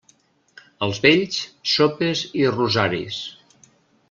Als vells, sopes i rosaris.